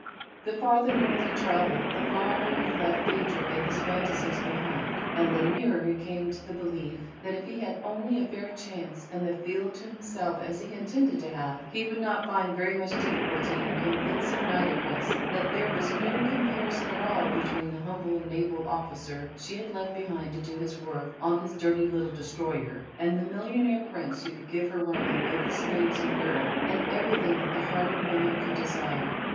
The farther north he travelled, the farther he left Phadrig and his phantasies behind, and the nearer he came to the belief that, if he had only a fair chance and the field to himself, as he intended to have, he would not find very much difficulty in convincing Nitocris that there was no comparison at all between the humble naval officer she had left behind to do his work on his dirty little destroyer, and the millionaire Prince who could give her one of the noblest names in Europe and everything that the heart of woman could desire.